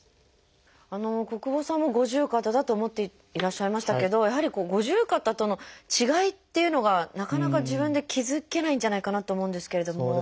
小久保さんも五十肩だと思っていらっしゃいましたけどやはり五十肩との違いっていうのがなかなか自分で気付けないんじゃないかなと思うんですけれども。